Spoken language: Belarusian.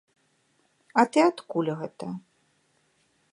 А ты адкуль гэта?